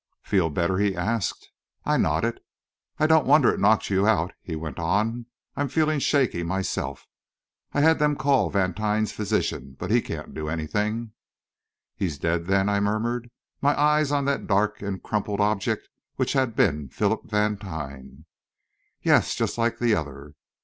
"Feel better?" he asked. I nodded. "I don't wonder it knocked you out," he went on. "I'm feeling shaky myself. I had them call Vantine's physician but he can't do anything." "He's dead, then?" I murmured, my eyes on that dark and crumpled object which had been Philip Vantine. "Yes just like the other."